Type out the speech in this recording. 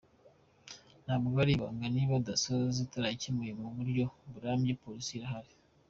Ntabwo ari ibanga niba Dasso zitarabikemuye mu buryo burambye, polisi irahari,.